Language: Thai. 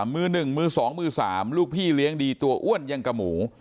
มือหนึ่งมือ๒มือ๓ลูกพี่เลี้ยงดีตัวอ้วนยังกับหมู